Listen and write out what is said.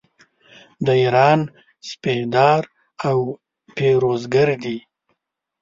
د ایران سپهدار او پیروزګر دی.